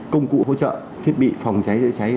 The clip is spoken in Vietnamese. công cụ hỗ trợ thiết bị phòng cháy chữa cháy